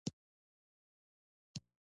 دولفین هغه ساحل ته ورساوه چیرته چې پوځي کمپ و.